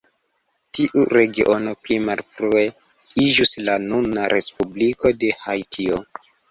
Tiu regiono pli malfrue iĝus la nuna Respubliko de Haitio.